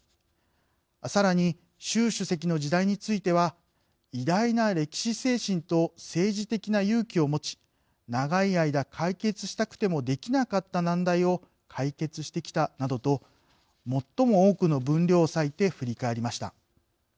さらに習主席の時代については偉大な歴史精神と政治的な勇気を持ち長い間解決したくてもできなかった難題を解決してきたなどと最も多くの分量を割いて振り返りました。